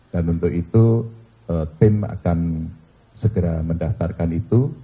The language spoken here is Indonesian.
dan untuk itu tim akan segera mendaftarkan itu